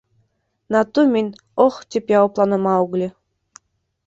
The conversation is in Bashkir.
Нату мин, о-ох! — тип яуапланы Маугли.